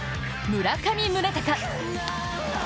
村上宗隆！